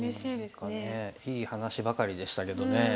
何かねいい話ばかりでしたけどね。